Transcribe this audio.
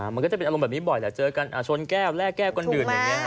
มันก็จะเป็นอารมณ์แบบนี้บ่อยแหละเจอกันชนแก้วแลกแก้วกันดื่นอย่างนี้